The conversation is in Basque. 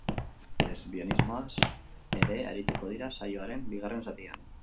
Lesbianismoaz ere arituko dira saioaren bigarren zatian.